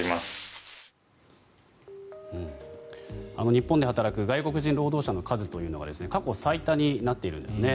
日本で働く外国人労働者の数というのが過去最多になっているんですね。